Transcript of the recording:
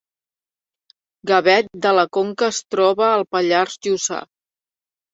Gavet de la Conca es troba al Pallars Jussà